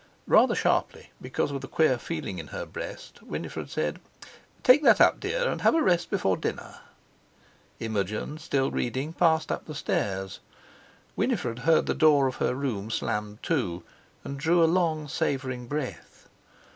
Rather sharply, because of the queer feeling in her breast, Winifred said: "Take that up, dear, and have a rest before dinner." Imogen, still reading, passed up the stairs. Winifred heard the door of her room slammed to, and drew a long savouring breath.